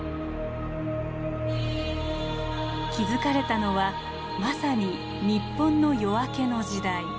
築かれたのはまさに日本の夜明けの時代。